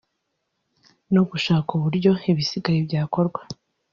no gushaka uburyo ibisigaye byakorwa